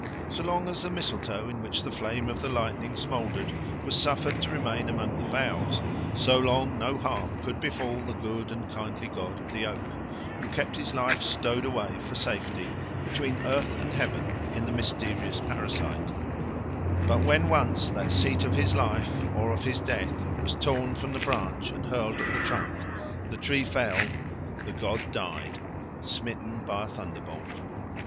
So long as the mistletoe, in which the flame of the lightning smouldered, was suffered to remain among the boughs, so long no harm could befall the good and kindly god of the oak, who kept his life stowed away for safety between earth and heaven in the mysterious parasite; but when once that seat of his life, or of his death, was torn from the branch and hurled at the trunk, the tree fell the god died smitten by a thunderbolt.